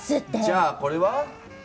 じゃあこれは？